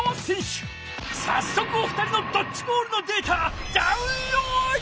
さっそくお二人のドッジボールのデータダウンロード！